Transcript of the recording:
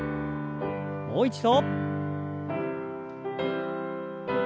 もう一度。